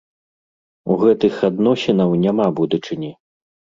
У гэтых адносінаў няма будучыні!